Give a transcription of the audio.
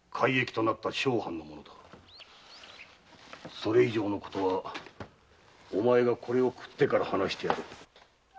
それ以上のことはお前がこれを食ってから話してやろう。